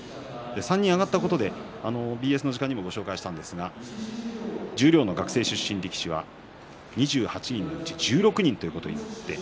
３人、上がったことでＢＳの時間にもお伝えしましたが十両の学生出身力士は２８人のうち１６人ということになりました。